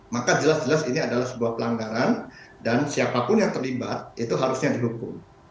maka jelas jelas ini adalah sebuah pelanggaran dan siapapun yang terlibat itu harusnya dihukum